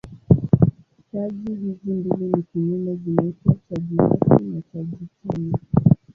Chaji hizi mbili ni kinyume zinaitwa chaji hasi na chaji chanya.